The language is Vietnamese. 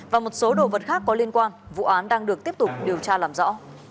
và một số đồ vật khác có liên quan vụ án đang được tiếp tục điều tra làm rõ